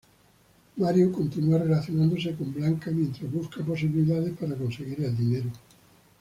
Mario continúa relacionándose con Blanca mientras busca posibilidades para conseguir el dinero.